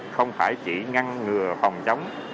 không phải chỉ ngăn ngừa phòng chống